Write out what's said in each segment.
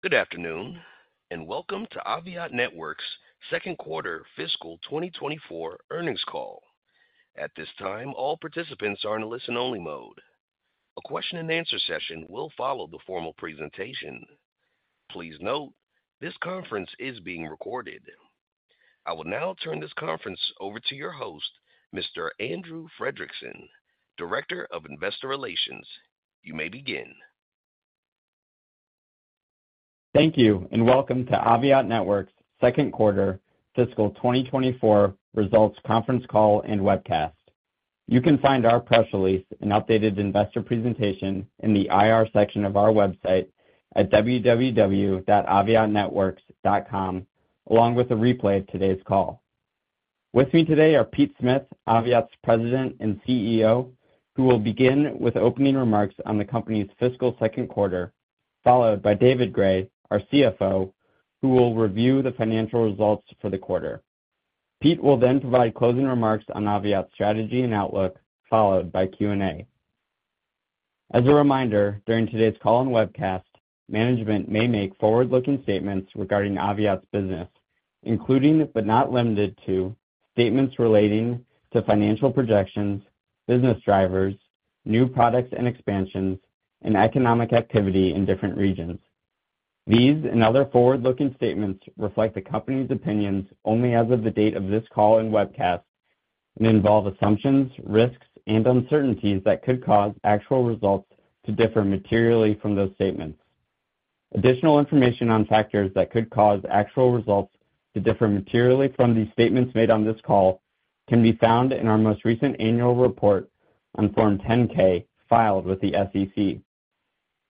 Good afternoon, and welcome to Aviat Networks' Second Quarter Fiscal 2024 Earnings Call. At this time, all participants are in a listen-only mode. A question-and-answer session will follow the formal presentation. Please note, this conference is being recorded. I will now turn this conference over to your host, Mr. Andrew Fredrickson, Director of Investor Relations. You may begin. Thank you, and welcome to Aviat Networks' Second Quarter Fiscal 2024 Results Conference Call and Webcast. You can find our press release and updated investor presentation in the IR section of our website at www.aviatnetworks.com, along with a replay of today's call. With me today are Pete Smith, Aviat's President and CEO, who will begin with opening remarks on the company's fiscal second quarter, followed by David Gray, our CFO, who will review the financial results for the quarter. Pete will then provide closing remarks on Aviat's strategy and outlook, followed by Q&A. As a reminder, during today's call and webcast, management may make forward-looking statements regarding Aviat's business, including, but not limited to, statements relating to financial projections, business drivers, new products and expansions, and economic activity in different regions. These and other forward-looking statements reflect the Company's opinions only as of the date of this call and webcast and involve assumptions, risks, and uncertainties that could cause actual results to differ materially from those statements. Additional information on factors that could cause actual results to differ materially from these statements made on this call can be found in our most recent annual report on Form 10-K, filed with the SEC.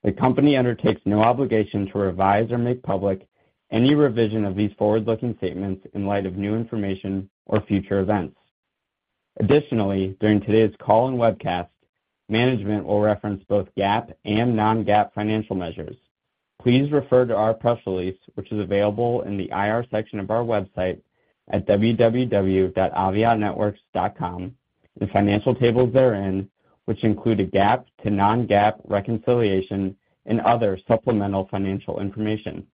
The Company undertakes no obligation to revise or make public any revision of these forward-looking statements in light of new information or future events. Additionally, during today's call and webcast, management will reference both GAAP and non-GAAP financial measures. Please refer to our press release, which is available in the IR section of our website at www.aviatnetworks.com, the financial tables therein, which include a GAAP to non-GAAP reconciliation and other supplemental financial information.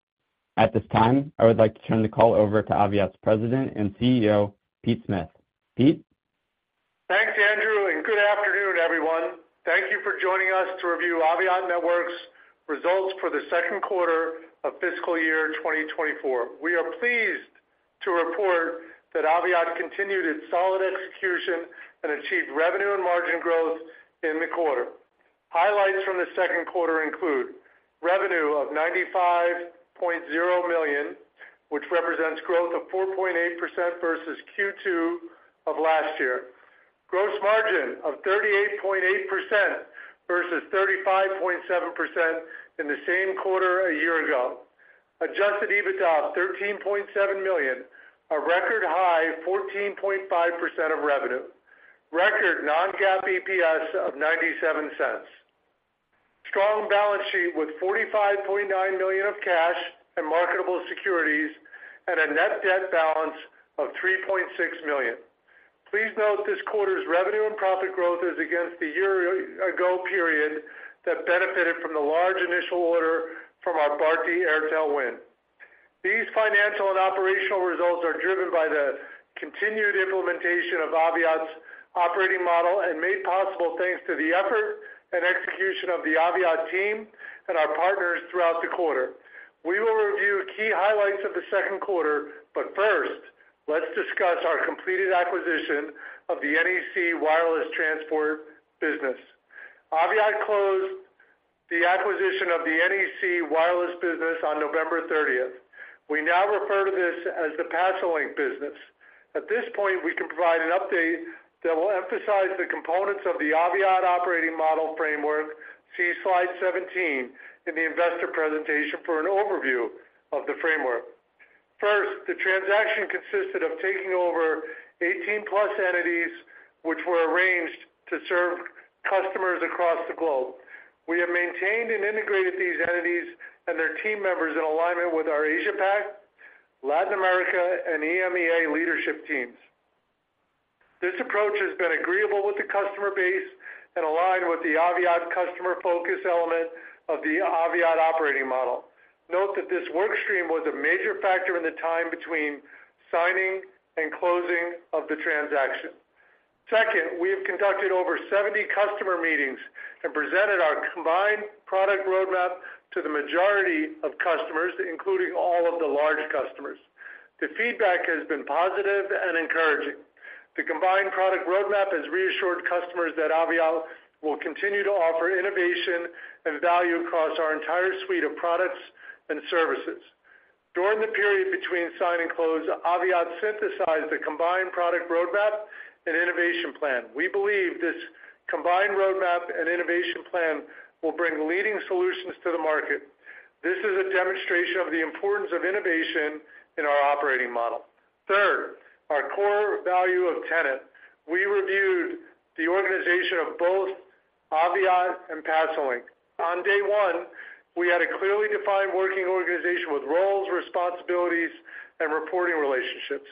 At this time, I would like to turn the call over to Aviat's President and CEO, Pete Smith. Pete? Thanks, Andrew, and good afternoon, everyone. Thank you for joining us to review Aviat Networks' results for the second quarter of fiscal year 2024. We are pleased to report that Aviat continued its solid execution and achieved revenue and margin growth in the quarter. Highlights from the second quarter include: revenue of $95.0 million, which represents growth of 4.8% versus Q2 of last year. Gross margin of 38.8% versus 35.7% in the same quarter a year ago. Adjusted EBITDA of $13.7 million, a record high 14.5% of revenue. Record non-GAAP EPS of $0.97. Strong balance sheet with $45.9 million of cash and marketable securities and a net debt balance of $3.6 million. Please note, this quarter's revenue and profit growth is against the year ago period that benefited from the large initial order from our Bharti Airtel win. These financial and operational results are driven by the continued implementation of Aviat's operating model and made possible thanks to the effort and execution of the Aviat team and our partners throughout the quarter. We will review key highlights of the second quarter, but first, let's discuss our completed acquisition of the NEC wireless transport business. Aviat closed the acquisition of the NEC wireless business on November 30th. We now refer to this as the PASOLINK business. At this point, we can provide an update that will emphasize the components of the Aviat operating model framework. See slide 17 in the investor presentation for an overview of the framework. First, the transaction consisted of taking over 18 plus entities, which were arranged to serve customers across the globe. We have maintained and integrated these entities and their team members in alignment with our Asia Pac, Latin America, and EMEA leadership teams. This approach has been agreeable with the customer base and aligned with the Aviat customer focus element of the Aviat operating model. Note that this work stream was a major factor in the time between signing and closing of the transaction. Second, we have conducted over 70 customer meetings and presented our combined product roadmap to the majority of customers, including all of the large customers. The feedback has been positive and encouraging. The combined product roadmap has reassured customers that Aviat will continue to offer innovation and value across our entire suite of products and services. During the period between sign and close, Aviat synthesized a combined product roadmap and innovation plan. We believe this combined roadmap and innovation plan will bring leading solutions to the market. This is a demonstration of the importance of innovation in our operating model. Third, our core value of tenet. We reviewed the organization of both Aviat and PASOLINK. On day one, we had a clearly defined working organization with roles, responsibilities, and reporting relationships.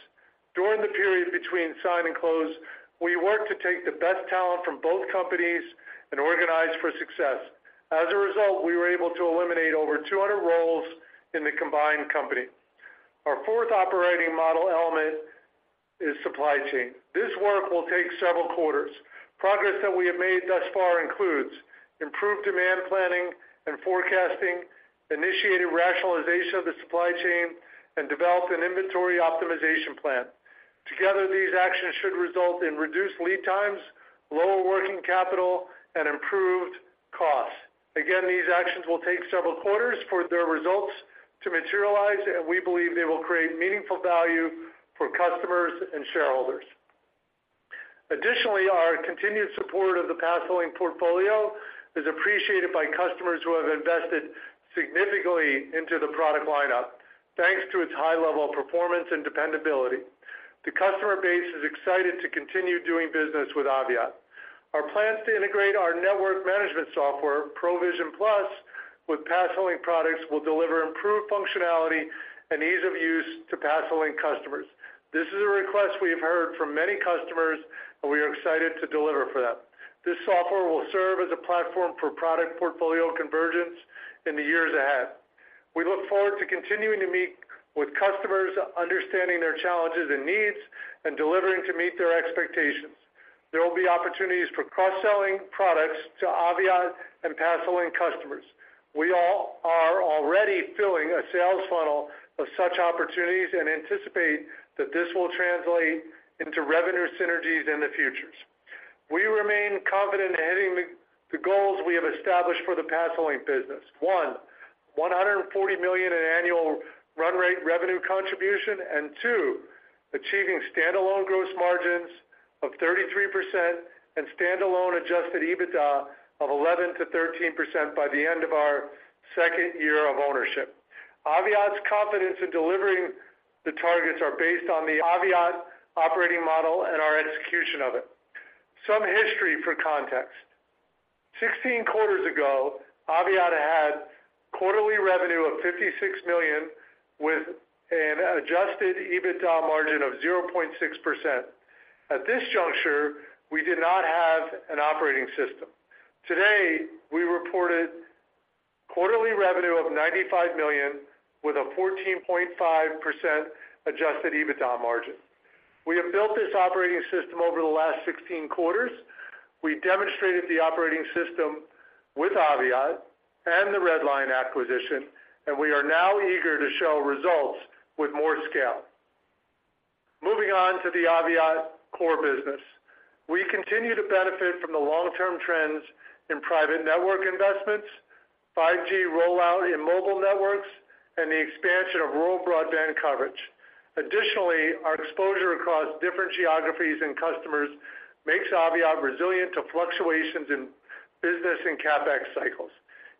During the period between sign and close, we worked to take the best talent from both companies and organize for success. As a result, we were able to eliminate over 200 roles in the combined company. Our fourth operating model element is supply chain. This work will take several quarters. Progress that we have made thus far includes: improved demand planning and forecasting, initiated rationalization of the supply chain, and developed an inventory optimization plan. Together, these actions should result in reduced lead times, lower working capital, and improved costs. Again, these actions will take several quarters for their results to materialize, and we believe they will create meaningful value for customers and shareholders. Additionally, our continued support of the PASOLINK portfolio is appreciated by customers who have invested significantly into the product lineup, thanks to its high level of performance and dependability. The customer base is excited to continue doing business with Aviat. Our plans to integrate our network management software, ProVision Plus, with PASOLINK products will deliver improved functionality and ease of use to PASOLINK customers. This is a request we have heard from many customers, and we are excited to deliver for them. This software will serve as a platform for product portfolio convergence in the years ahead. We look forward to continuing to meet with customers, understanding their challenges and needs, and delivering to meet their expectations. There will be opportunities for cross-selling products to Aviat and PASOLINK customers. We all are already filling a sales funnel of such opportunities and anticipate that this will translate into revenue synergies in the future. We remain confident in hitting the goals we have established for the PASOLINK business. One, $140 million in annual run rate revenue contribution, and two, achieving standalone gross margins of 33% and standalone adjusted EBITDA of 11%-13% by the end of our second year of ownership. Aviat's confidence in delivering the targets are based on the Aviat operating model and our execution of it. Some history for context. 16 quarters ago, Aviat had quarterly revenue of $56 million, with an adjusted EBITDA margin of 0.6%. At this juncture, we did not have an operating system. Today, we reported quarterly revenue of $95 million, with a 14.5% adjusted EBITDA margin. We have built this operating system over the last 16 quarters. We demonstrated the operating system with Aviat and the Redline acquisition, and we are now eager to show results with more scale. Moving on to the Aviat core business. We continue to benefit from the long-term trends in private network investments, 5G rollout in mobile networks, and the expansion of rural broadband coverage. Additionally, our exposure across different geographies and customers makes Aviat resilient to fluctuations in business and CapEx cycles.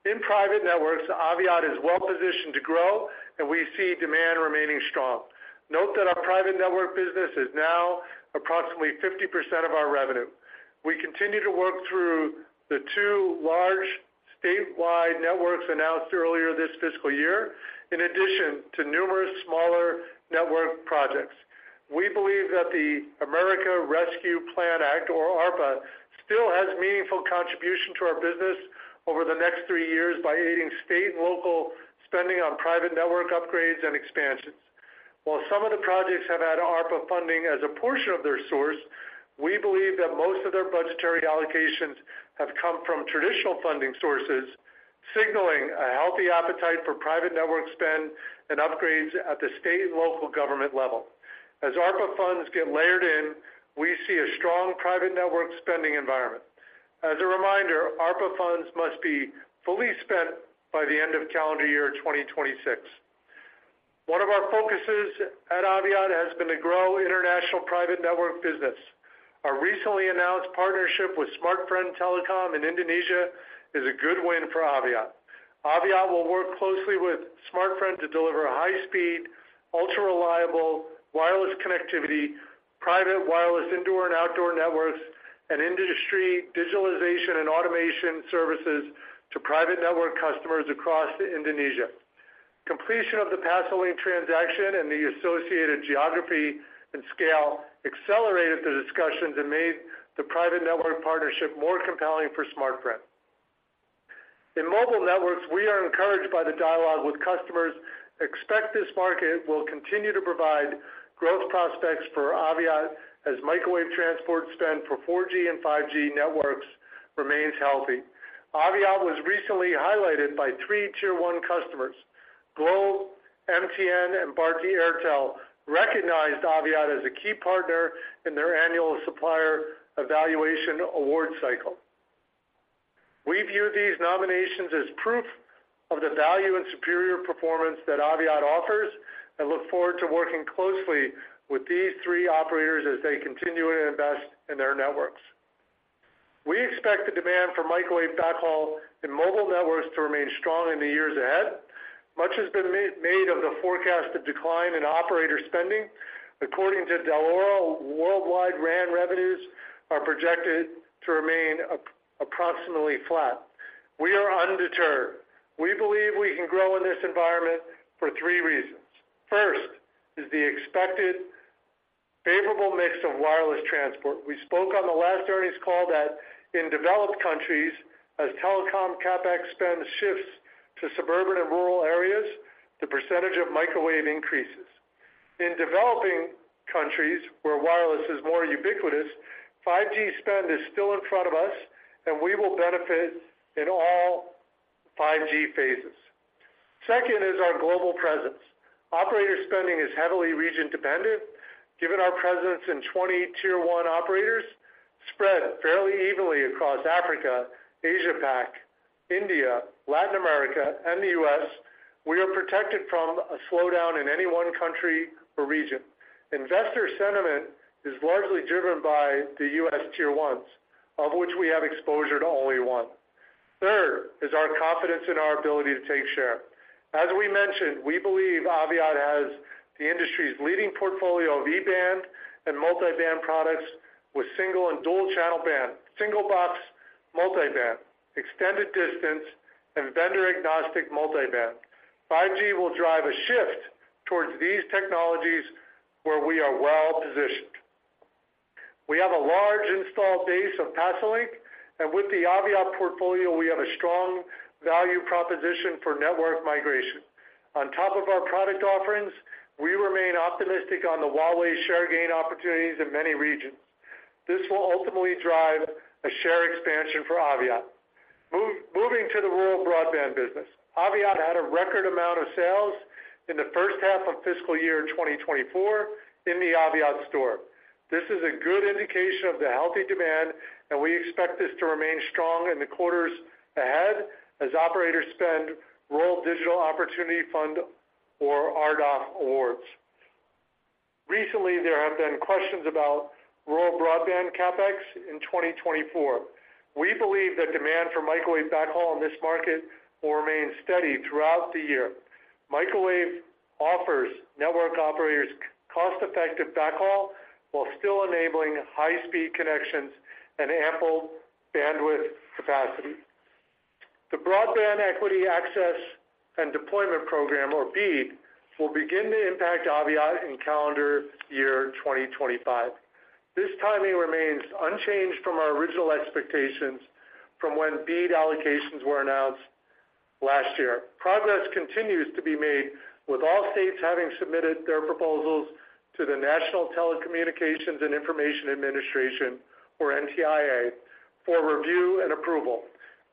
In private networks, Aviat is well positioned to grow, and we see demand remaining strong. Note that our private network business is now approximately 50% of our revenue. We continue to work through the two large statewide networks announced earlier this fiscal year, in addition to numerous smaller network projects. We believe that the American Rescue Plan Act, or ARPA, still has meaningful contribution to our business over the next three years by aiding state and local spending on private network upgrades and expansions. While some of the projects have had ARPA funding as a portion of their source, we believe that most of their budgetary allocations have come from traditional funding sources, signaling a healthy appetite for private network spend and upgrades at the state and local government level. As ARPA funds get layered in, we see a strong private network spending environment. As a reminder, ARPA funds must be fully spent by the end of calendar year 2026. One of our focuses at Aviat has been to grow international private network business. Our recently announced partnership with Smartfren Telecom in Indonesia is a good win for Aviat. Aviat will work closely with Smartfren to deliver high-speed, ultra-reliable wireless connectivity, private wireless indoor and outdoor networks, and industry digitalization and automation services to private network customers across Indonesia. Completion of the PASOLINK transaction and the associated geography and scale accelerated the discussions and made the private network partnership more compelling for Smartfren. In mobile networks, we are encouraged by the dialogue with customers. Expect this market will continue to provide growth prospects for Aviat as microwave transport spend for 4G and 5G networks remains healthy. Aviat was recently highlighted by three Tier 1 customers. Globe, MTN, and Bharti Airtel recognized Aviat as a key partner in their annual supplier evaluation award cycle. We view these nominations as proof of the value and superior performance that Aviat offers, and look forward to working closely with these three operators as they continue to invest in their networks. We expect the demand for microwave backhaul in mobile networks to remain strong in the years ahead. Much has been made of the forecasted decline in operator spending. According to Dell'Oro, worldwide RAN revenues are projected to remain approximately flat. We are undeterred. We believe we can grow in this environment for three reasons. First, is the expected favorable mix of wireless transport. We spoke on the last earnings call that in developed countries, as telecom CapEx spend shifts to suburban and rural areas, the percentage of microwave increases. In developing countries, where wireless is more ubiquitous, 5G spend is still in front of us, and we will benefit in all 5G phases. Second is our global presence. Operator spending is heavily region dependent, given our presence in 20 Tier 1 operators spread fairly evenly across Africa, Asia Pac, India, Latin America, and the U.S., we are protected from a slowdown in any one country or region. Investor sentiment is largely driven by the U.S. Tier 1s, of which we have exposure to only one. Third, is our confidence in our ability to take share. As we mentioned, we believe Aviat has the industry's leading portfolio of E-band and multiband products with single and dual channel band, single box multiband, extended distance, and vendor-agnostic multiband. 5G will drive a shift towards these technologies where we are well-positioned. We have a large installed base of PASOLINK, and with the Aviat portfolio, we have a strong value proposition for network migration. On top of our product offerings, we remain optimistic on the Huawei share gain opportunities in many regions. This will ultimately drive a share expansion for Aviat. Moving to the rural broadband business. Aviat had a record amount of sales in the first half of fiscal year 2024 in the Aviat Store. This is a good indication of the healthy demand, and we expect this to remain strong in the quarters ahead as operators spend Rural Digital Opportunity Fund or RDOF awards. Recently, there have been questions about rural broadband CapEx in 2024. We believe that demand for microwave backhaul in this market will remain steady throughout the year. Microwave offers network operators cost-effective backhaul while still enabling high-speed connections and ample bandwidth capacity. The Broadband Equity Access and Deployment program, or BEAD, will begin to impact Aviat in calendar year 2025. This timing remains unchanged from our original expectations from when BEAD allocations were announced last year. Progress continues to be made, with all states having submitted their proposals to the National Telecommunications and Information Administration, or NTIA, for review and approval.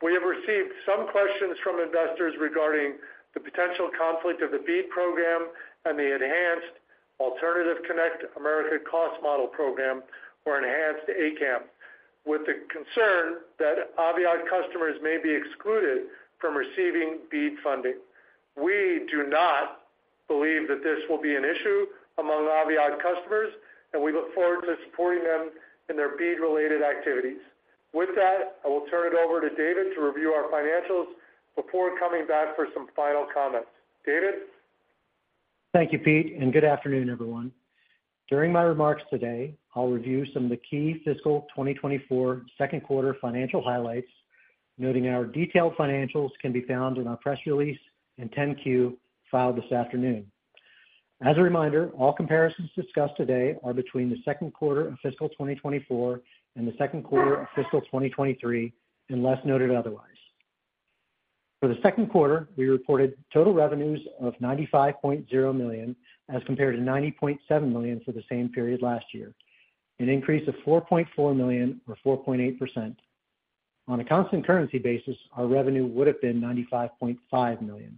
We have received some questions from investors regarding the potential conflict of the BEAD program and the Enhanced Alternative Connect America Cost Model program, or Enhanced ACAM, with the concern that Aviat customers may be excluded from receiving BEAD funding. We do not believe that this will be an issue among Aviat customers, and we look forward to supporting them in their BEAD-related activities. With that, I will turn it over to David to review our financials before coming back for some final comments. David? Thank you, Pete, and good afternoon, everyone. During my remarks today, I'll review some of the key fiscal 2024 second quarter financial highlights, noting our detailed financials can be found in our press release and 10-Q filed this afternoon. As a reminder, all comparisons discussed today are between the second quarter of fiscal 2024 and the second quarter of fiscal 2023, unless noted otherwise. For the second quarter, we reported total revenues of $95.0 million, as compared to $90.7 million for the same period last year, an increase of $4.4 million or 4.8%. On a constant currency basis, our revenue would have been $95.5 million.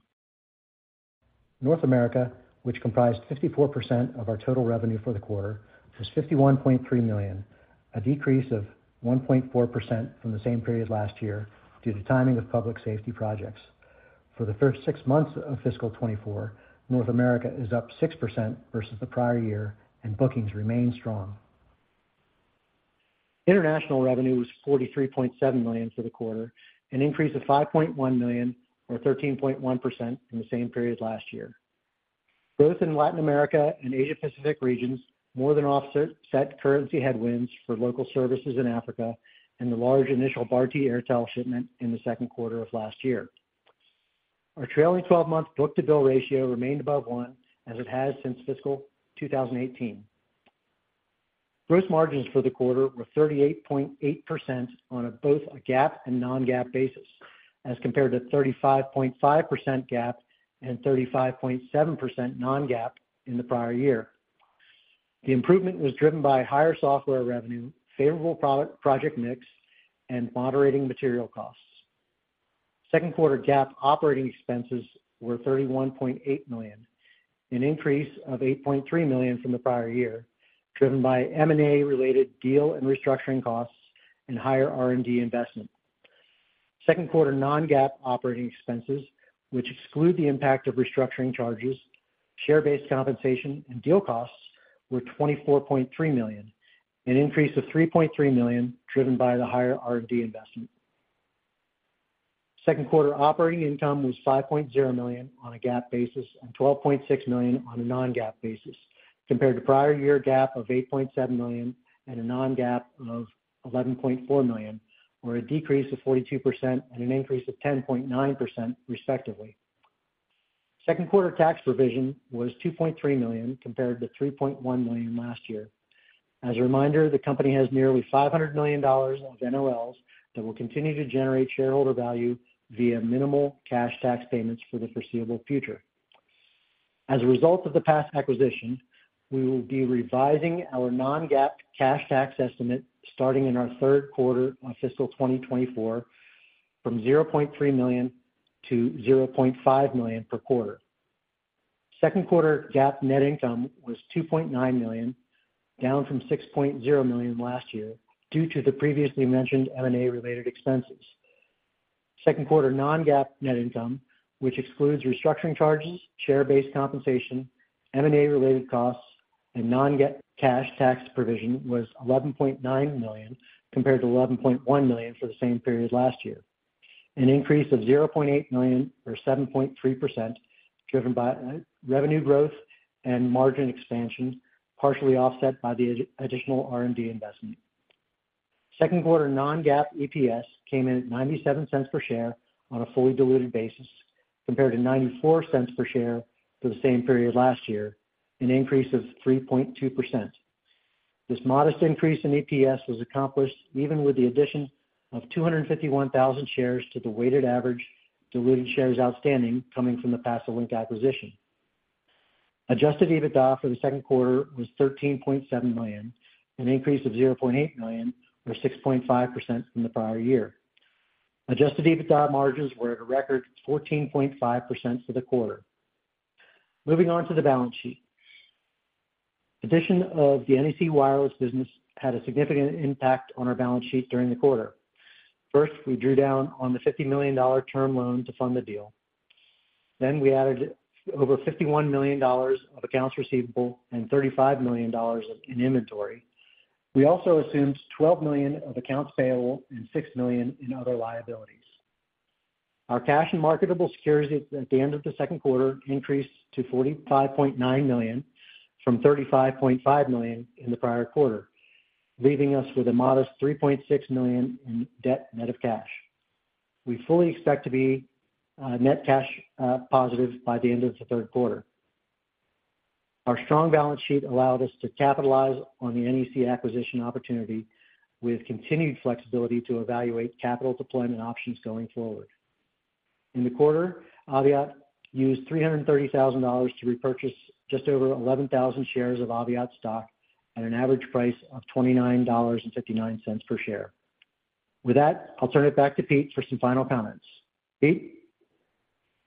North America, which comprised 54% of our total revenue for the quarter, was $51.3 million, a decrease of 1.4% from the same period last year due to timing of public safety projects. For the first six months of fiscal 2024, North America is up 6% versus the prior year, and bookings remain strong. International revenue was $43.7 million for the quarter, an increase of $5.1 million, or 13.1% from the same period last year. Growth in Latin America and Asia Pacific regions more than offset currency headwinds for local services in Africa and the large initial Bharti Airtel shipment in the second quarter of last year. Our trailing 12-month book-to-bill ratio remained above one, as it has since fiscal 2018. Gross margins for the quarter were 38.8% on both a GAAP and non-GAAP basis, as compared to 35.5% GAAP and 35.7% non-GAAP in the prior year. The improvement was driven by higher software revenue, favorable product mix, and moderating material costs. Second quarter GAAP operating expenses were $31.8 million, an increase of $8.3 million from the prior year, driven by M&A-related deal and restructuring costs and higher R&D investment. Second quarter non-GAAP operating expenses, which exclude the impact of restructuring charges, share-based compensation, and deal costs, were $24.3 million, an increase of $3.3 million, driven by the higher R&D investment. Second quarter operating income was $5.0 million on a GAAP basis and $12.6 million on a non-GAAP basis, compared to prior year GAAP of $8.7 million and a non-GAAP of $11.4 million, or a decrease of 42% and an increase of 10.9%, respectively. Second quarter tax provision was $2.3 million, compared to $3.1 million last year. As a reminder, the company has nearly $500 million of NOLs that will continue to generate shareholder value via minimal cash tax payments for the foreseeable future. As a result of the past acquisition, we will be revising our non-GAAP cash tax estimate starting in our third quarter on fiscal 2024 from $0.3 million-$0.5 million per quarter. Second quarter GAAP net income was $2.9 million, down from $6.0 million last year due to the previously mentioned M&A-related expenses. Second quarter non-GAAP net income, which excludes restructuring charges, share-based compensation, M&A-related costs, and non-GAAP cash tax provision, was $11.9 million compared to $11.1 million for the same period last year, an increase of $0.8 million or 7.3%, driven by revenue growth and margin expansion, partially offset by the additional R&D investment. Second quarter non-GAAP EPS came in at $0.97 per share on a fully diluted basis, compared to $0.94 per share for the same period last year, an increase of 3.2%. This modest increase in EPS was accomplished even with the addition of 251,000 shares to the weighted average diluted shares outstanding coming from the PASOLINK acquisition. Adjusted EBITDA for the second quarter was $13.7 million, an increase of $0.8 million, or 6.5% from the prior year. Adjusted EBITDA margins were at a record 14.5% for the quarter. Moving on to the balance sheet. Addition of the NEC wireless business had a significant impact on our balance sheet during the quarter. First, we drew down on the $50 million term loan to fund the deal. Then we added over $51 million of accounts receivable and $35 million in inventory. We also assumed $12 million of accounts payable and $6 million in other liabilities. Our cash and marketable securities at the end of the second quarter increased to $45.9 million from $35.5 million in the prior quarter, leaving us with a modest $3.6 million in debt net of cash. We fully expect to be net cash positive by the end of the third quarter. Our strong balance sheet allowed us to capitalize on the NEC acquisition opportunity with continued flexibility to evaluate capital deployment options going forward. In the quarter, Aviat used $330,000 to repurchase just over 11,000 shares of Aviat stock at an average price of $29.59 per share. With that, I'll turn it back to Pete for some final comments. Pete?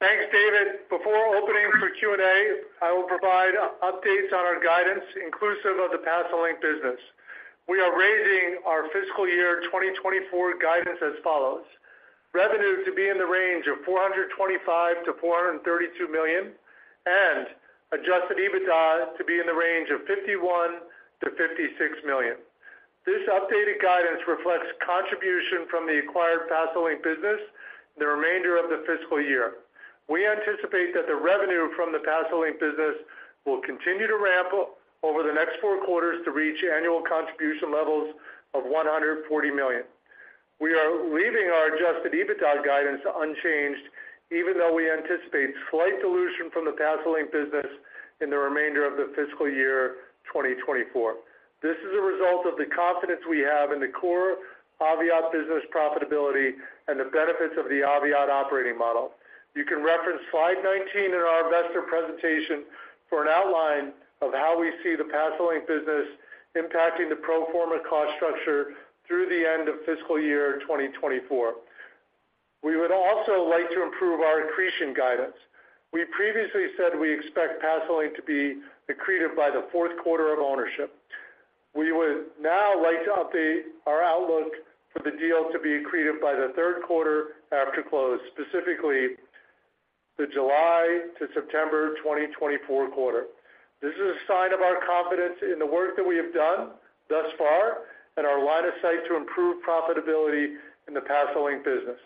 Thanks, David. Before opening for Q&A, I will provide updates on our guidance, inclusive of the PASOLINK business. We are raising our fiscal year 2024 guidance as follows: Revenue to be in the range of $425 million-$432 million and adjusted EBITDA to be in the range of $51 million-$56 million. This updated guidance reflects contribution from the acquired PASOLINK business the remainder of the fiscal year. We anticipate that the revenue from the PASOLINK business will continue to ramp up over the next four quarters to reach annual contribution levels of $140 million. We are leaving our adjusted EBITDA guidance unchanged, even though we anticipate slight dilution from the PASOLINK business in the remainder of the fiscal year 2024. This is a result of the confidence we have in the core Aviat business profitability and the benefits of the Aviat operating model. You can reference slide 19 in our investor presentation for an outline of how we see the PASOLINK business impacting the pro forma cost structure through the end of fiscal year 2024. We would also like to improve our accretion guidance. We previously said we expect PASOLINK to be accretive by the fourth quarter of ownership. We would now like to update our outlook for the deal to be accretive by the third quarter after close, specifically the July to September 2024 quarter. This is a sign of our confidence in the work that we have done thus far and our line of sight to improve profitability in the PASOLINK business.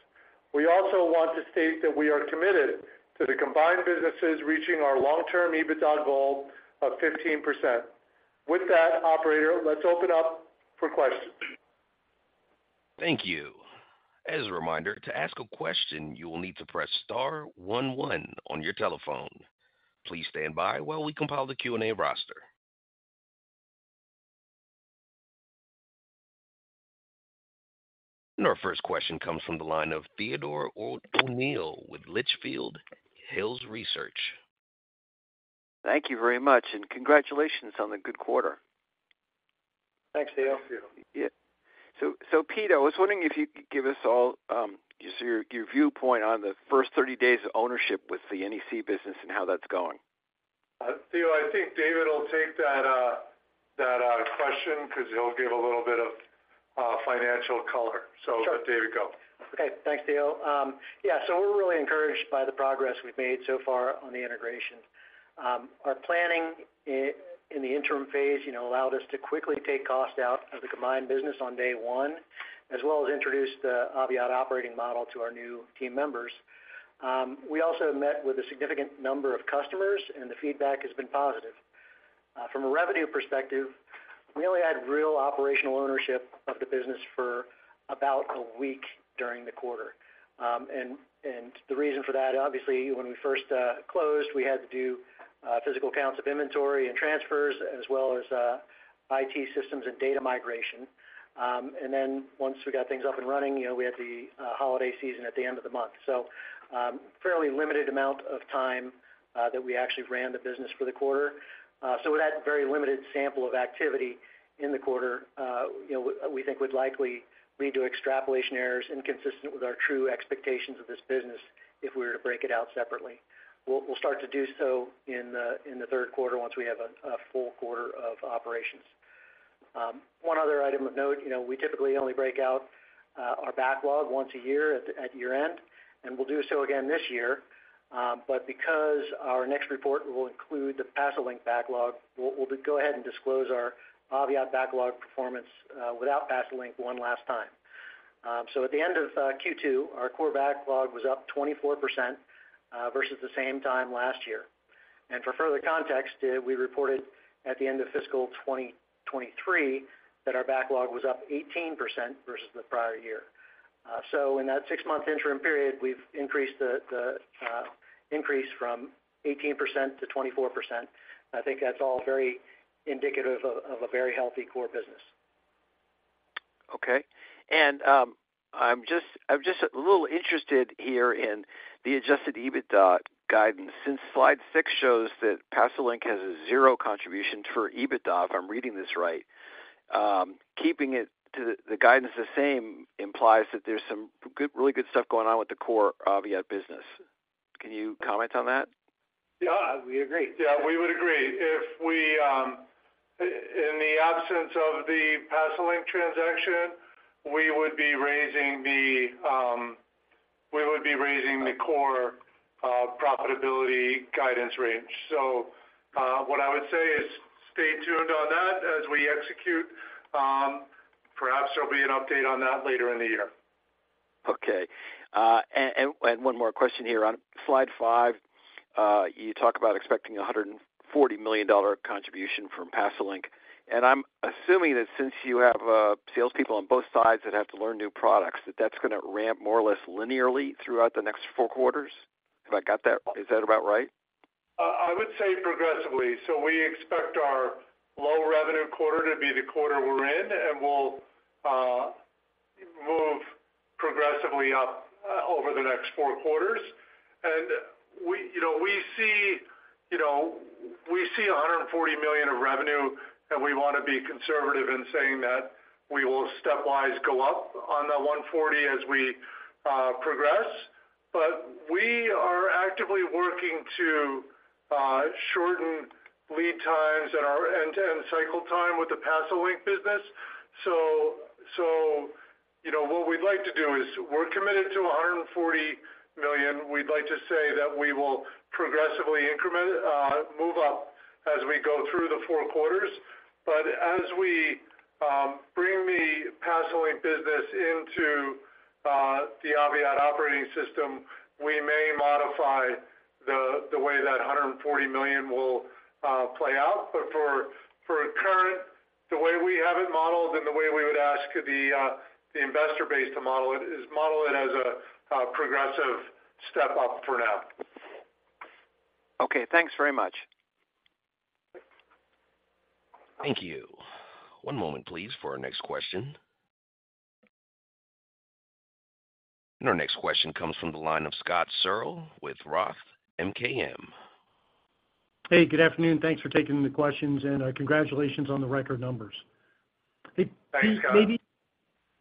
We also want to state that we are committed to the combined businesses reaching our long-term EBITDA goal of 15%. With that, operator, let's open up for questions. Thank you. As a reminder, to ask a question, you will need to press star one-one on your telephone. Please stand by while we compile the Q&A roster. Our first question comes from the line of Theodore O'Neill with Litchfield Hills Research. Thank you very much, and congratulations on the good quarter. Thanks, Theo. Yeah. So, Pete, I was wondering if you could give us all your viewpoint on the first 30 days of ownership with the NEC business and how that's going? Theo, I think David will take that question, because he'll give a little bit of financial color. Sure. So, David, go. Okay. Thanks, Theo. Yeah, so we're really encouraged by the progress we've made so far on the integration. Our planning in the interim phase, you know, allowed us to quickly take cost out of the combined business on day one, as well as introduce the Aviat operating model to our new team members. We also met with a significant number of customers, and the feedback has been positive. From a revenue perspective, we only had real operational ownership of the business for about a week during the quarter. And the reason for that, obviously, when we first closed, we had to do physical counts of inventory and transfers as well as IT systems and data migration. And then once we got things up and running, you know, we had the holiday season at the end of the month. So, fairly limited amount of time that we actually ran the business for the quarter. So with that very limited sample of activity in the quarter, you know, we think would likely lead to extrapolation errors inconsistent with our true expectations of this business if we were to break it out separately. We'll start to do so in the third quarter once we have a full quarter of operations. One other item of note, you know, we typically only break out our backlog once a year at year-end, and we'll do so again this year. But because our next report will include the PASOLINK backlog, we'll go ahead and disclose our Aviat backlog performance without PASOLINK one last time. So at the end of Q2, our core backlog was up 24% versus the same time last year. And for further context, we reported at the end of fiscal 2023 that our backlog was up 18% versus the prior year. So in that six-month interim period, we've increased the increase from 18%-24%. I think that's all very indicative of a very healthy core business. Okay. And, I'm just a little interested here in the adjusted EBITDA guidance since slide six shows that PASOLINK has a 0 contribution for EBITDA, if I'm reading this right. Keeping it to the guidance the same implies that there's some really good stuff going on with the core Aviat business. Can you comment on that? Yeah, we agree. Yeah, we would agree. If we, in the absence of the PASOLINK transaction, we would be raising the core, profitability guidance range. So, what I would say is stay tuned on that as we execute. Perhaps there'll be an update on that later in the year. Okay. And one more question here. On slide five, you talk about expecting a $140 million contribution from PASOLINK, and I'm assuming that since you have salespeople on both sides that have to learn new products, that that's gonna ramp more or less linearly throughout the next 4 quarters. Have I got that—is that about right? I would say progressively. So we expect our low revenue quarter to be the quarter we're in, and we'll move progressively up over the next four quarters. And we, you know, we see, you know, we see $140 million of revenue, and we wanna be conservative in saying that we will stepwise go up on the 140 as we progress. But we are actively working to shorten lead times and our end-to-end cycle time with the PASOLINK business. So, you know, what we'd like to do is we're committed to $140 million. We'd like to say that we will progressively increment, move up as we go through the four quarters. But as we bring the PASOLINK business into the Aviat operating system, we may modify the way that $140 million will play out. But for current, the way we have it modeled and the way we would ask the investor base to model it, is model it as a progressive step up for now. Okay. Thanks very much. Thank you. One moment, please, for our next question. Our next question comes from the line of Scott Searle with Roth MKM. Hey, good afternoon. Thanks for taking the questions, and congratulations on the record numbers. Thanks, Scott.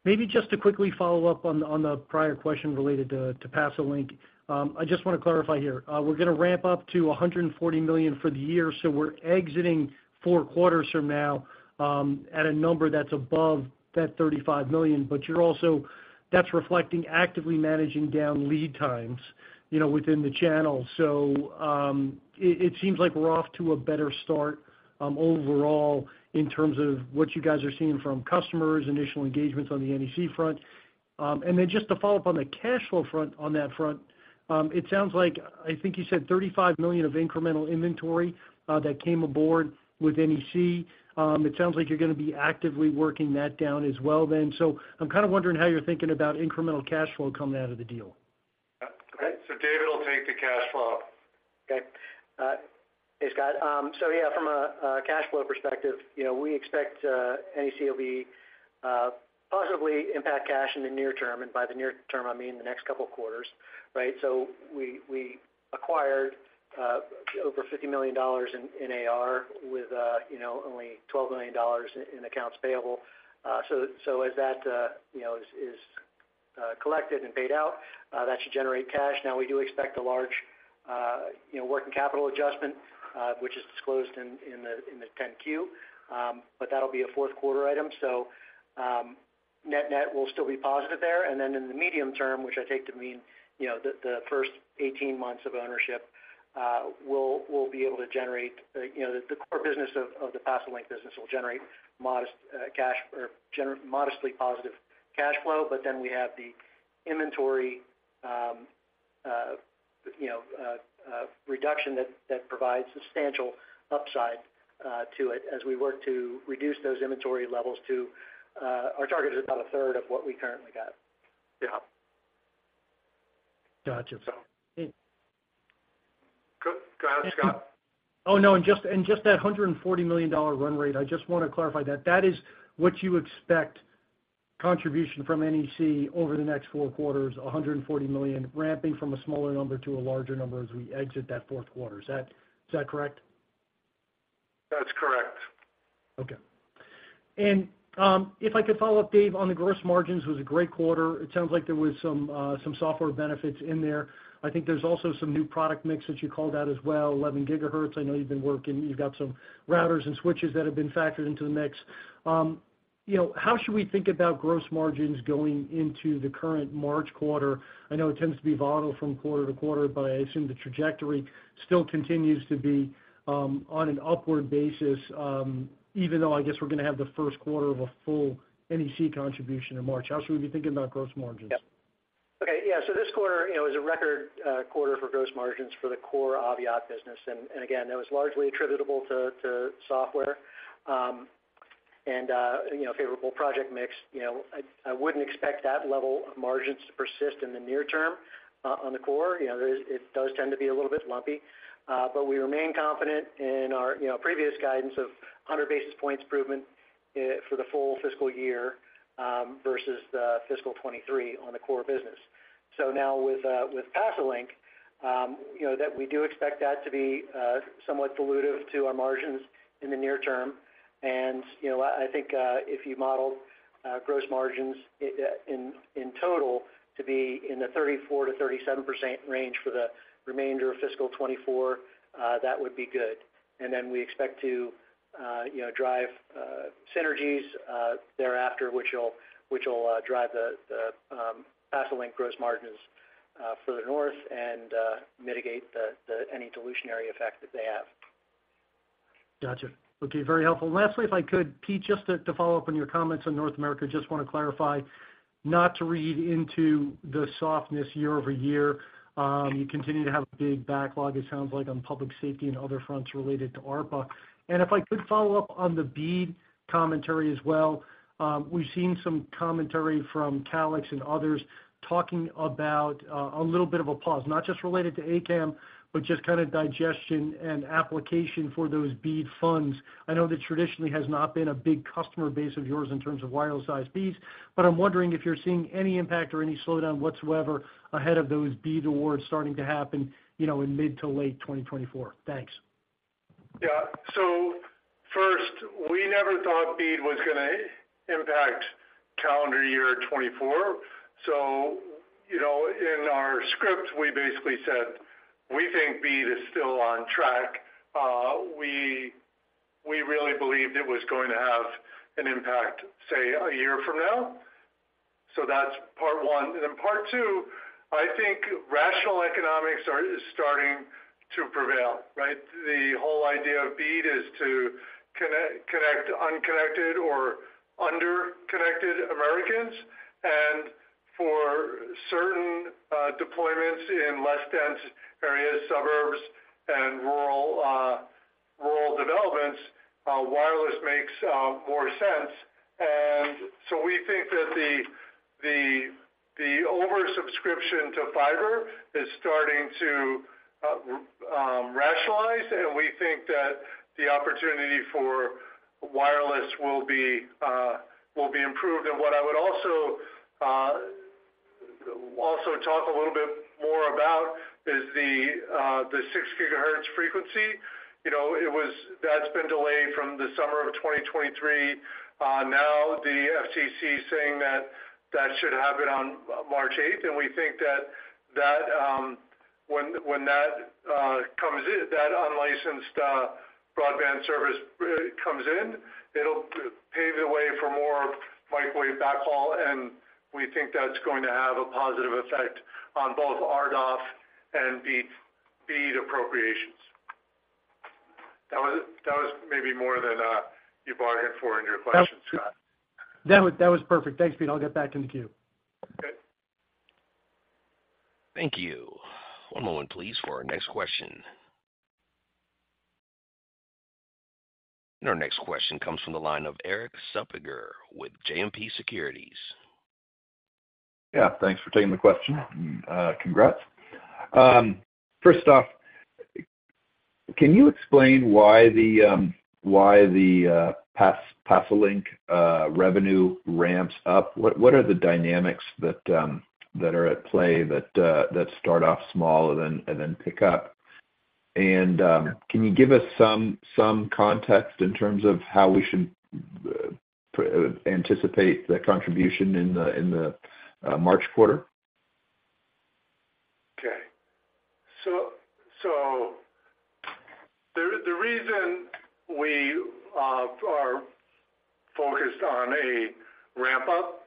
Maybe just to quickly follow up on the prior question related to PASOLINK. I just wanna clarify here. We're gonna ramp up to $140 million for the year, so we're exiting four quarters from now at a number that's above that $35 million, but you're also, that's reflecting actively managing down lead times, you know, within the channel. So it seems like we're off to a better start overall in terms of what you guys are seeing from customers, initial engagements on the NEC front. And then just to follow up on the cash flow front, on that front, it sounds like, I think you said $35 million of incremental inventory that came aboard with NEC. It sounds like you're gonna be actively working that down as well then. I'm kind of wondering how you're thinking about incremental cash flow coming out of the deal? Yeah. So David will take the cash flow. Okay. Hey, Scott. So yeah, from a cash flow perspective, you know, we expect NEC will be positively impact cash in the near term, and by the near term, I mean, the next couple of quarters, right? So we acquired over $50 million in AR with, you know, only $12 million in accounts payable. So as that, you know, is collected and paid out, that should generate cash. Now, we do expect a large working capital adjustment, which is disclosed in the 10-Q, but that'll be a fourth quarter item. So-- Net-net will still be positive there. And then in the medium term, which I take to mean, you know, the first 18 months of ownership, we'll be able to generate, you know, the core business of the PASOLINK business will generate modest cash or modestly positive cash flow. But then we have the inventory reduction that provides substantial upside to it as we work to reduce those inventory levels to our target is about a third of what we currently got. Yeah. Got you. Go ahead, Scott. Oh, no, and just that $140 million run rate, I just want to clarify that. That is what you expect contribution from NEC over the next four quarters, $140 million, ramping from a smaller number to a larger number as we exit that fourth quarter. Is that correct? That's correct. Okay. And, if I could follow up, Dave, on the gross margins, it was a great quarter. It sounds like there was some, some software benefits in there. I think there's also some new product mix that you called out as well, 11 gigahertz. I know you've been working, you've got some routers and switches that have been factored into the mix. You know, how should we think about gross margins going into the current March quarter? I know it tends to be volatile from quarter-to-quarter, but I assume the trajectory still continues to be on an upward basis, even though I guess we're gonna have the first quarter of a full NEC contribution in March. How should we be thinking about gross margins? Yeah. Okay, yeah. So this quarter, you know, is a record quarter for gross margins for the core Aviat business, and again, that was largely attributable to software and you know, favorable project mix. You know, I wouldn't expect that level of margins to persist in the near term on the core. You know, there is--it does tend to be a little bit lumpy, but we remain confident in our, you know, previous guidance of 100 basis points improvement for the full fiscal year versus the fiscal 2023 on the core business. So now with PASOLINK, you know, that we do expect that to be somewhat dilutive to our margins in the near term. You know, I think, if you model gross margins in total to be in the 34%-37% range for the remainder of fiscal 2024, that would be good. And then we expect to, you know, drive synergies thereafter, which will drive the PASOLINK gross margins further north and mitigate any dilutionary effect that they have. Got you. Okay, very helpful. Lastly, if I could, Pete, just to follow up on your comments on North America, just want to clarify, not to read into the softness year-over-year. You continue to have a big backlog, it sounds like, on public safety and other fronts related to ARPA. And if I could follow up on the BEAD commentary as well. We've seen some commentary from Calix and others talking about a little bit of a pause, not just related to ACAM, but just kind of digestion and application for those BEAD funds. I know that traditionally has not been a big customer base of yours in terms of wireless ISBs, but I'm wondering if you're seeing any impact or any slowdown whatsoever ahead of those BEAD awards starting to happen, you know, in mid to late 2024. Thanks. Yeah. So first, we never thought BEAD was gonna impact calendar year 2024. So, you know, in our script, we basically said, we think BEAD is still on track. We really believed it was going to have an impact, say, a year from now. So that's part one. And then part two, I think rational economics is starting to prevail, right? The whole idea of BEAD is to connect unconnected or underconnected Americans, and for certain deployments in less dense areas, suburbs and rural, rural developments, wireless makes more sense. And so we think that the oversubscription to fiber is starting to rationalize, and we think that the opportunity for wireless will be improved. And what I would also talk a little bit more about is the six gigahertz frequency. You know, it was–- that's been delayed from the summer of 2023. Now the FCC is saying that that should happen on March eighth, and we think that when that comes in, that unlicensed broadband service comes in, it'll pave the way for more microwave backhaul, and we think that's going to have a positive effect on both RDOF and BEAD, BEAD appropriations. That was maybe more than you bargained for in your question, Scott. That was perfect. Thanks, Pete. I'll get back in the queue. Okay. Thank you. One moment, please, for our next question. Our next question comes from the line of Erik Suppiger with JMP Securities. Yeah, thanks for taking the question. Congrats. First off, can you explain why the PASOLINK revenue ramps up? What are the dynamics that are at play that start off small and then pick up? And, can you give us some context in terms of how we should anticipate the contribution in the March quarter? We are focused on a ramp up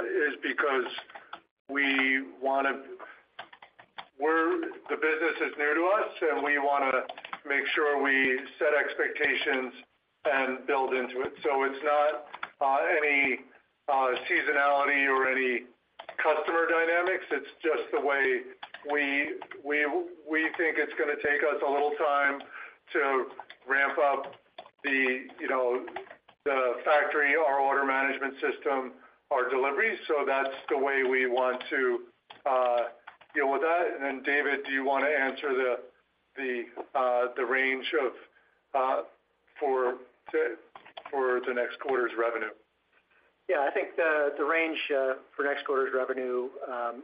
is because we wanna, we're-- the business is new to us, and we wanna make sure we set expectations and build into it. So it's not any seasonality or any customer dynamics. It's just the way we think it's gonna take us a little time to ramp up the, you know, the factory, our order management system, our delivery. So that's the way we want to deal with that. And then, David, do you wanna answer the range for the next quarter's revenue? Yeah, I think the range for next quarter's revenue,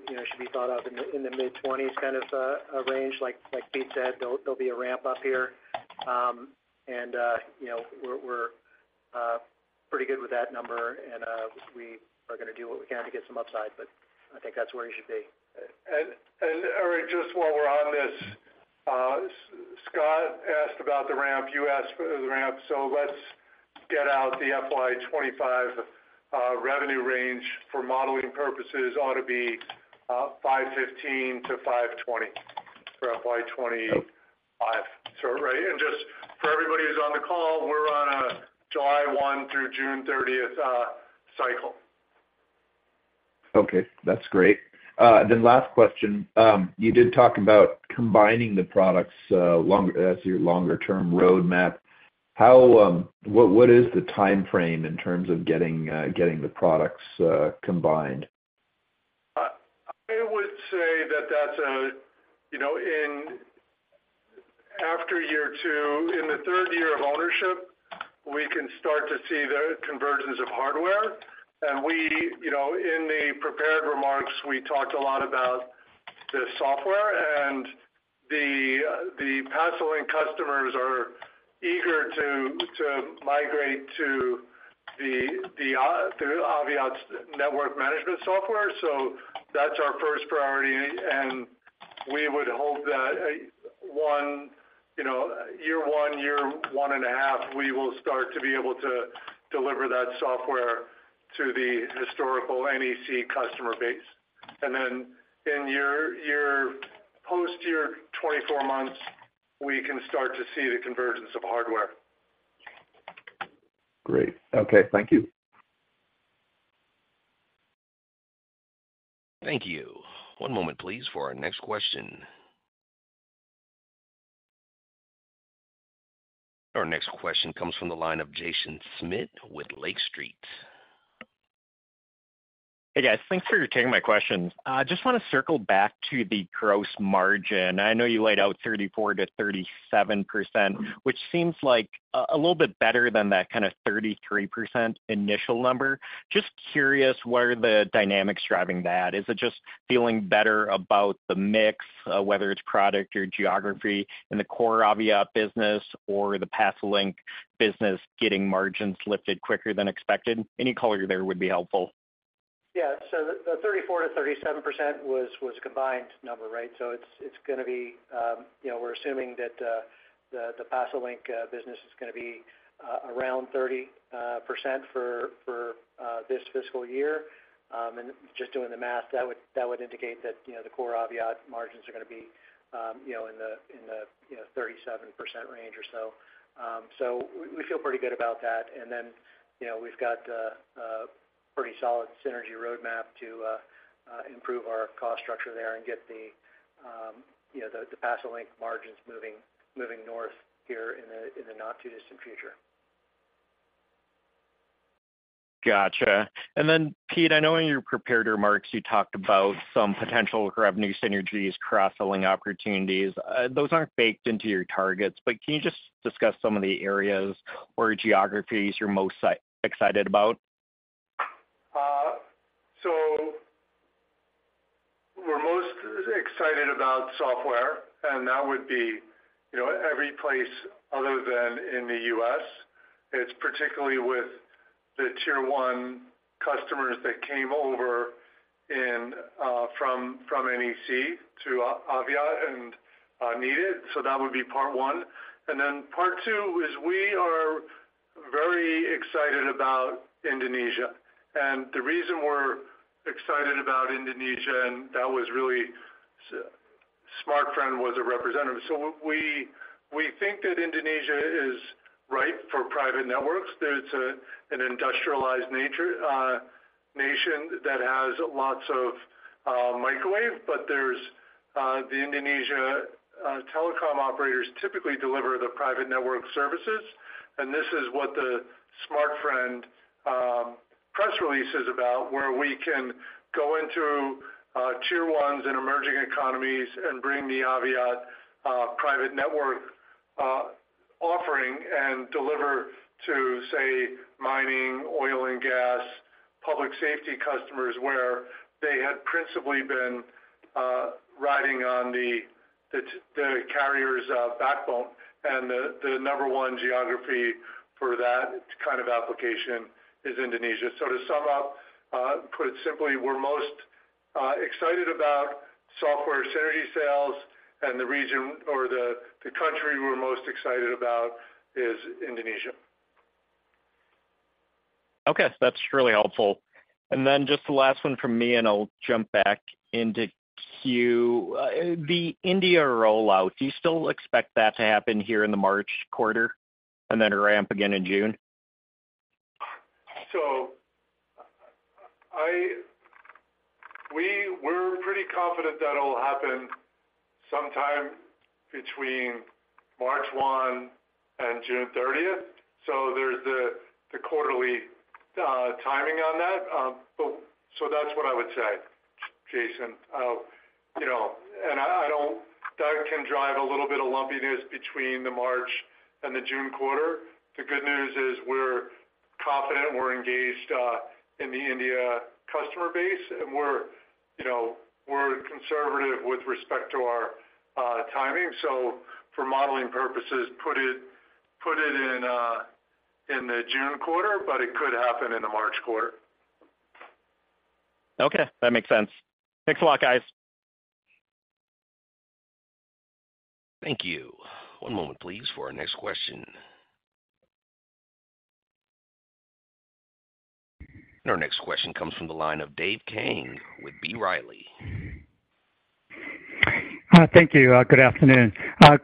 you know, should be thought of in the mid-$20s, kind of a range. Like Pete said, there'll be a ramp up here. And you know, we're pretty good with that number, and we are gonna do what we can to get some upside, but I think that's where you should be. Erik, just while we're on this, Scott asked about the ramp, you asked for the ramp, so let's get out the FY 2025 revenue range for modeling purposes ought to be $515 million-$520 million for FY 2025. Right, and just for everybody who's on the call, we're on a July 1 through June 30 cycle. Okay, that's great. Then last question. You did talk about combining the products, long as your longer-term roadmap. How, what is the time frame in terms of getting the products combined? I would say that that's a, you know, in after year two, in the third year of ownership, we can start to see the convergence of hardware. And we, you know, in the prepared remarks, we talked a lot about the software and the PASOLINK customers are eager to, to migrate to the, the, to Aviat's network management software. So that's our first priority, and we would hope that, one, you know, year one, year one and a half, we will start to be able to deliver that software to the historical NEC customer base. And then in year, year, post year 24 months, we can start to see the convergence of hardware. Great. Okay. Thank you. Thank you. One moment, please, for our next question. Our next question comes from the line of Jaeson Schmidt with Lake Street. Hey, guys. Thanks for taking my questions. Just wanna circle back to the gross margin. I know you laid out 34%-37%, which seems like a little bit better than that kind of 33% initial number. Just curious, what are the dynamics driving that? Is it just feeling better about the mix, whether it's product or geography in the core Aviat business or the PASOLINK business getting margins lifted quicker than expected? Any color there would be helpful. Yeah, so the 34%-37% was a combined number, right? So it's gonna be, you know, we're assuming that the PASOLINK business is gonna be around 30% for this fiscal year. And just doing the math, that would indicate that, you know, the core Aviat margins are gonna be, you know, in the 37% range or so. So we feel pretty good about that. And then, you know, we've got a pretty solid synergy roadmap to improve our cost structure there and get the PASOLINK margins moving north here in the not too distant future. Got you. And then, Pete, I know in your prepared remarks, you talked about some potential revenue synergies, cross-selling opportunities. Those aren't baked into your targets, but can you just discuss some of the areas or geographies you're most excited about? So we're most excited about software, and that would be, you know, every place other than in the U.S. It's particularly with the Tier 1 customers that came over from NEC to Aviat and need it. So that would be part one. And then part two is we are very excited about Indonesia. And the reason we're excited about Indonesia, and that was really, Smartfren was a representative. So we think that Indonesia is ripe for private networks. There's an industrialized nation that has lots of microwave, but there's the Indonesia telecom operators typically deliver the private network services. And this is what the Smartfren press release is about, where we can go into tier ones in emerging economies and bring the Aviat private network offering and deliver to, say, mining, oil and gas, public safety customers, where they had principally been riding on the carrier's backbone, and the number one geography for that kind of application is Indonesia. So to sum up, put it simply, we're most excited about software synergy sales and the region or the country we're most excited about is Indonesia. Okay, that's really helpful. And then just the last one from me, and I'll jump back into queue. The India rollout, do you still expect that to happen here in the March quarter and then ramp again in June? So we're pretty confident that'll happen sometime between March 1 and June 30th. So there's the quarterly timing on that. But so that's what I would say, Jaeson. You know, and I don't that can drive a little bit of lumpiness between the March and the June quarter. The good news is we're confident, we're engaged in the India customer base, and we're, you know, we're conservative with respect to our timing. So for modeling purposes, put it in the June quarter, but it could happen in the March quarter. Okay, that makes sense. Thanks a lot, guys. Thank you. One moment, please, for our next question. Our next question comes from the line of Dave Kang with B. Riley. Thank you. Good afternoon.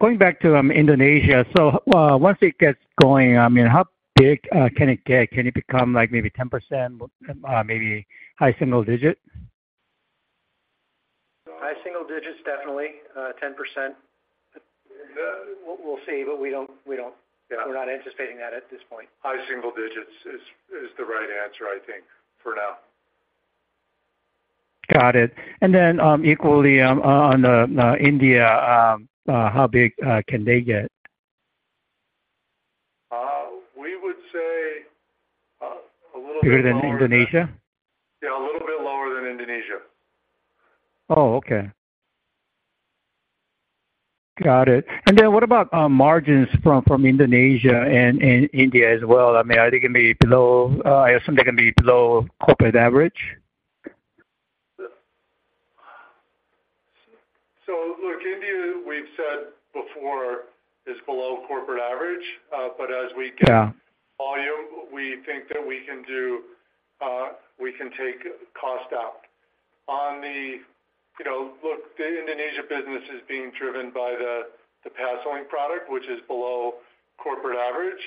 Going back to Indonesia. So, once it gets going, I mean, how big can it get? Can it become like maybe 10%, maybe high single digit? High single digits, definitely, 10%. We'll see, but we don't-- Yeah. We're not anticipating that at this point. High single digits is the right answer, I think, for now. Got it. And then, equally, on the India, how big can they get? We would say a little bit lower-- Bigger than Indonesia? Yeah, a little bit lower than Indonesia. Oh, okay. Got it. And then what about margins from Indonesia and India as well? I mean, are they gonna be below? I assume they're gonna be below corporate average? So look, India, we've said before, is below corporate average. But as we get volume, we think that we can do, we can take cost out. On the, you know, look, the Indonesia business is being driven by the, the PASOLINK product, which is below corporate average.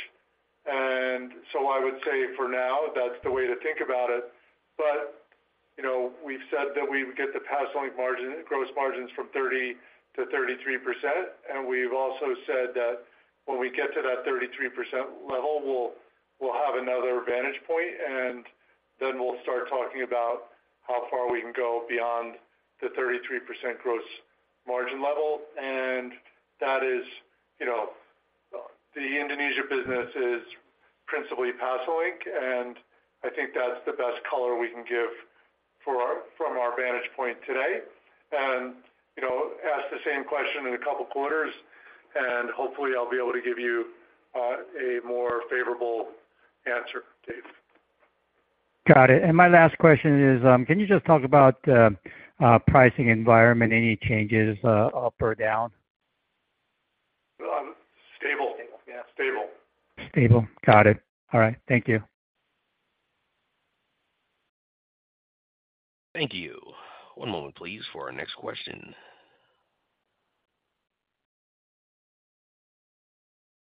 And so I would say for now, that's the way to think about it. But, you know, we've said that we get the PASOLINK margin, gross margins from 30%-33%. And we've also said that when we get to that 33% level, we'll, we'll have another vantage point, and then we'll start talking about how far we can go beyond the 33% gross margin level. And that is, you know, the Indonesia business is principally PASOLINK, and I think that's the best color we can give for our-- from our vantage point today. You know, ask the same question in a couple of quarters, and hopefully, I'll be able to give you a more favorable answer, Dave. Got it. And my last question is, can you just talk about pricing environment, any changes, up or down? Well, stable. Stable, yeah. Stable. Stable. Got it. All right. Thank you. Thank you. One moment, please, for our next question.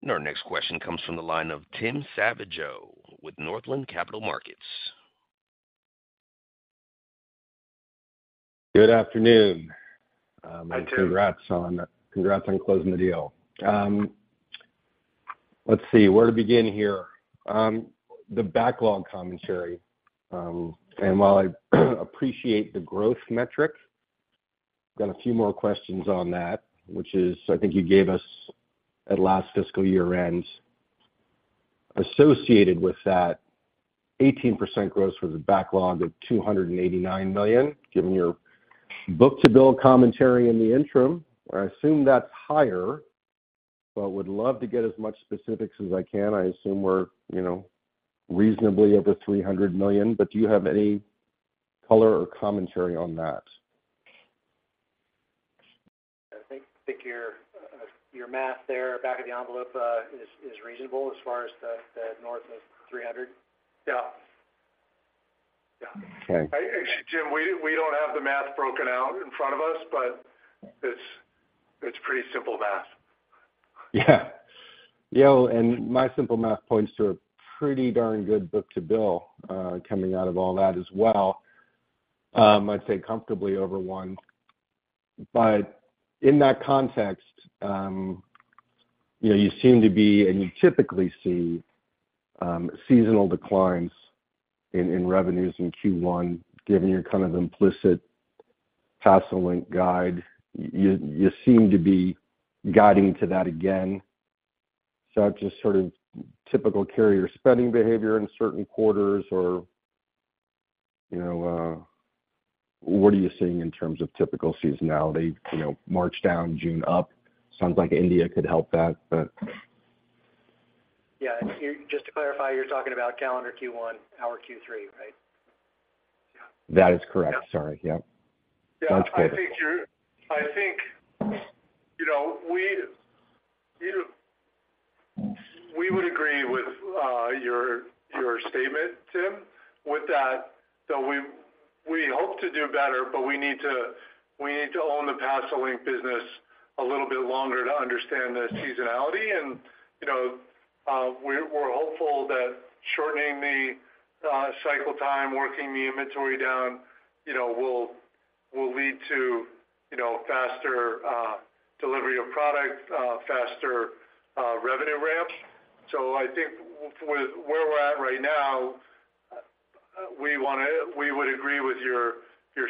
Our next question comes from the line of Tim Savageaux with Northland Capital Markets. Good afternoon. Hi, Tim. Congrats on closing the deal. Let's see, where to begin here? The backlog commentary, and while I appreciate the growth metric, got a few more questions on that, which is, I think you gave us at last fiscal year end, associated with that 18% growth was a backlog of $289 million, given your book to bill commentary in the interim. I assume that's higher, but would love to get as much specifics as I can. I assume we're, you know, reasonably over $300 million, but do you have any color or commentary on that? I think your math there, back of the envelope, is reasonable as far as the north of 300. Yeah. Yeah. Okay. Tim, we don't have the math broken out in front of us, but it's pretty simple math. Yeah. You know, and my simple math points to a pretty darn good book-to-bill coming out of all that as well. I'd say comfortably over one. But in that context, you know, you seem to be, and you typically see, seasonal declines in revenues in Q1, given your kind of implicit PASOLINK guide, you seem to be guiding to that again. So just sort of typical carrier spending behavior in certain quarters, or, you know, what are you seeing in terms of typical seasonality? You know, March down, June up. Sounds like India could help that, but-- Yeah, just to clarify, you're talking about calendar Q1, our Q3, right? That is correct. Sorry. Yeah. Yeah, I think you're-- I think, you know, we would agree with your statement, Tim, with that. So we hope to do better, but we need to own the PASOLINK business a little bit longer to understand the seasonality. And, you know, we're hopeful that shortening the cycle time, working the inventory down, you know, will lead to, you know, faster delivery of product, faster revenue ramp. So I think with where we're at right now, we wanna-–we would agree with your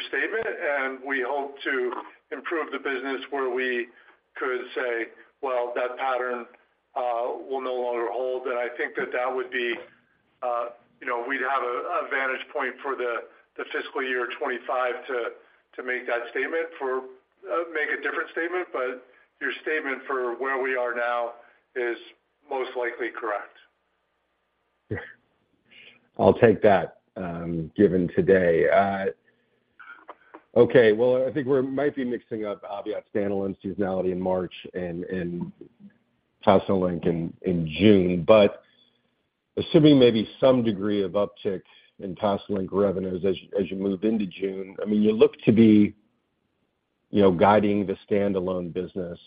statement, and we hope to improve the business where we could say, well, that pattern will no longer hold. I think that that would be, you know, we'd have a vantage point for the fiscal year 2025 to make that statement for make a different statement, but your statement for where we are now is most likely correct. I'll take that given today. Okay, well, I think we might be mixing up Aviat standalone seasonality in March and PASOLINK in June, but assuming maybe some degree of uptick in PASOLINK revenues as you move into June, I mean, you look to be, you know, guiding the standalone business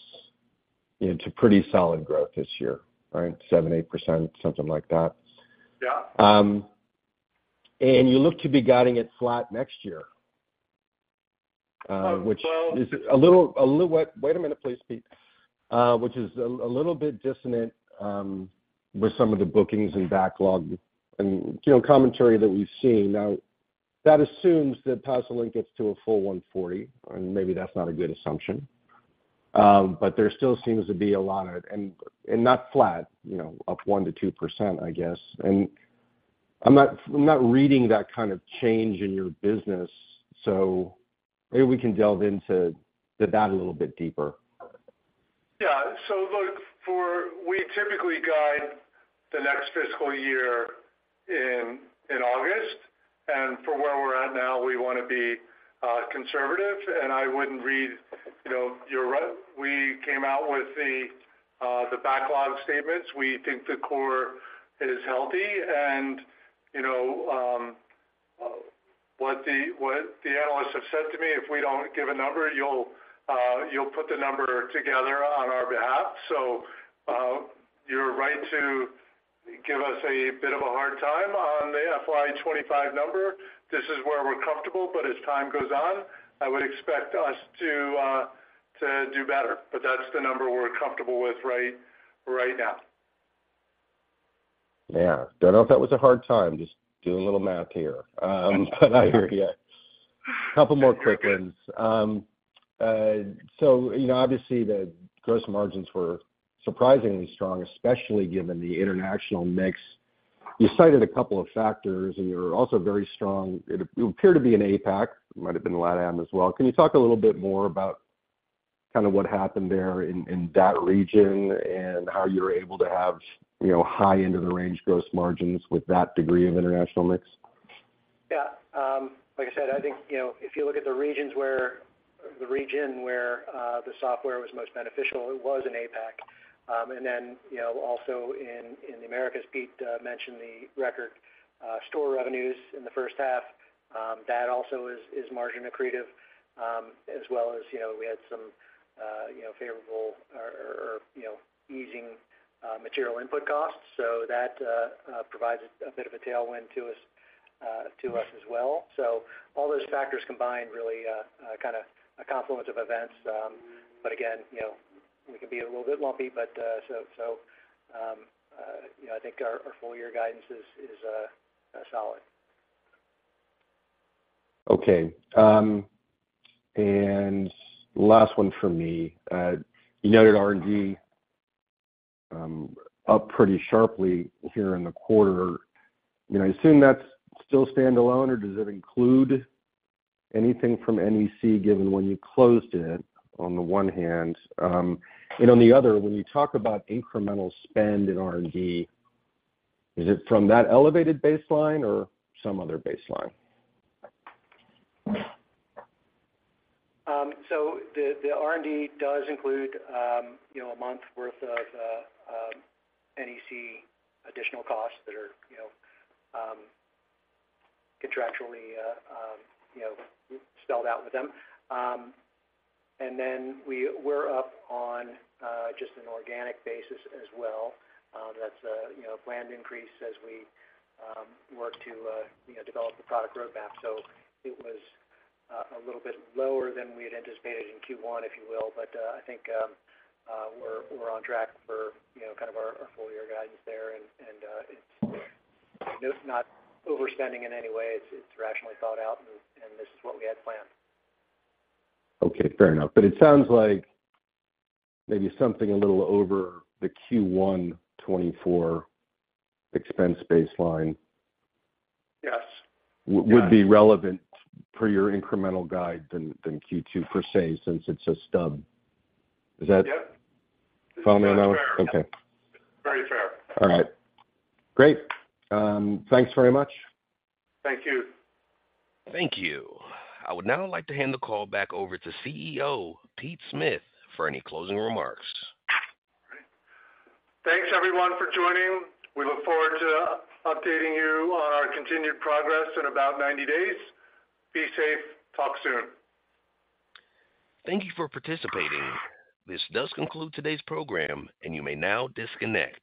into pretty solid growth this year, right? 7%-8%, something like that. Yeah. You look to be guiding it flat next year, which-- Well-- Is a little, wait a minute, please, Pete. Which is a little bit dissonant with some of the bookings and backlog and, you know, commentary that we've seen. Now, that assumes that PASOLINK gets to a full 140, and maybe that's not a good assumption. But there still seems to be a lot of... And not flat, you know, up 1%-2%, I guess. And I'm not reading that kind of change in your business, so maybe we can delve into that a little bit deeper. Yeah. So look, we typically guide the next fiscal year in August, and for where we're at now, we want to be conservative, and I wouldn't read, you know, you're right. We came out with the backlog statements. We think the core is healthy, and, you know, what the analysts have said to me, if we don't give a number, you'll put the number together on our behalf. So, you're right to give us a bit of a hard time on the FY 2025 number. This is where we're comfortable, but as time goes on, I would expect us to do better. But that's the number we're comfortable with right now. Yeah. Don't know if that was a hard time, just doing a little math here. But I hear you. Couple more quick ones. So, you know, obviously, the gross margins were surprisingly strong, especially given the international mix. You cited a couple of factors, and you're also very strong. It appeared to be an APAC, might have been LatAm as well. Can you talk a little bit more about kind of what happened there in that region and how you're able to have, you know, high end of the range gross margins with that degree of international mix? Yeah. Like I said, I think, you know, if you look at the regions where the software was most beneficial, it was in APAC. And then, you know, also in the Americas, Pete mentioned the record software revenues in the first half. That also is margin accretive, as well as, you know, we had some, you know, favorable or easing material input costs. So that provides a bit of a tailwind to us as well. So all those factors combined really kind of a confluence of events. But again, you know, we can be a little bit lumpy, but so, you know, I think our full year guidance is solid. Okay. And last one for me. You noted R&D up pretty sharply here in the quarter. You know, I assume that's still standalone, or does it include anything from NEC, given when you closed it, on the one hand? And on the other, when you talk about incremental spend in R&D, is it from that elevated baseline or some other baseline? So the R&D does include, you know, a month worth of NEC additional costs that are, you know, contractually, you know, spelled out with them. And then we're up on just an organic basis as well. That's a you know, planned increase as we work to you know, develop the product roadmap. So it was a little bit lower than we had anticipated in Q1, if you will. But I think we're on track for you know, kind of our full year guidance there, and it's not overspending in any way. It's rationally thought out, and this is what we had planned. Okay, fair enough. But it sounds like maybe something a little over the Q1 2024 expense baseline- Yes. Would be relevant for your incremental guide than Q2 per se, since it's a stub. Is that- Yeah. Follow me on that? Okay. Very fair. All right. Great. Thanks very much. Thank you. Thank you. I would now like to hand the call back over to CEO, Pete Smith, for any closing remarks. Thanks, everyone, for joining. We look forward to updating you on our continued progress in about 90 days. Be safe. Talk soon. Thank you for participating. This does conclude today's program, and you may now disconnect.